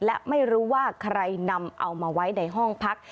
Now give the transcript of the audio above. และไม่รู้ว่าใครนำเอามาไว้ในห้องพัก